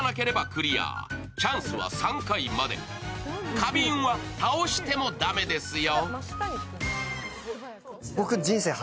花瓶は倒しても駄目ですよ。